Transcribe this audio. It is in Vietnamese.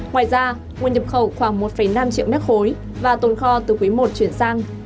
ngoài ra nguồn nhập khẩu khoảng một năm triệu m ba và tồn kho từ quý i chuyển sang